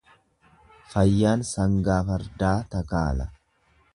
Fayyaan sangaa fardaa takaala.